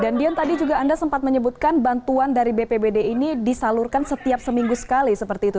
dan dion tadi juga anda sempat menyebutkan bantuan dari bpbd ini disalurkan setiap seminggu sekali seperti itu